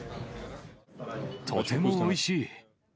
とてもおいしい。